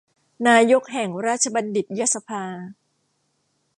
นายกแห่งราชบัณฑิตยสภา